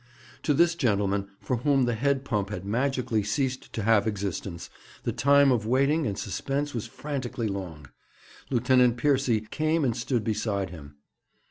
To this gentleman, for whom the head pump had magically ceased to have existence, the time of waiting and suspense was frantically long. Lieutenant Piercy came and stood beside him.